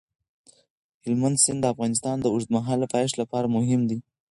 هلمند سیند د افغانستان د اوږدمهاله پایښت لپاره مهم دی.